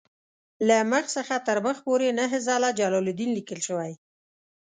له مخ څخه تر مخ پورې نهه ځله جلالدین لیکل شوی.